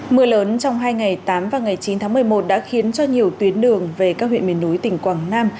mưa lớn trong hai ngày tám và ngày chín tháng một mươi một đã khiến cho nhiều tuyến đường về các huyện miền núi tỉnh quảng nam